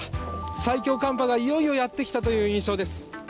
最強寒波がいよいよやってきたという印象です。